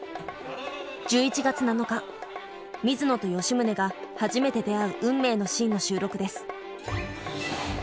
１１月７日水野と吉宗が初めて出会う運命のシーンの収録です。